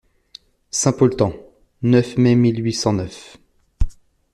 Saint-Polten, neuf mai mille huit cent neuf.